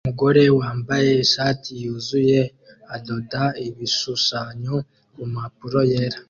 Umugore wambaye ishati yuzuye adoda ibishushanyo kumpapuro yera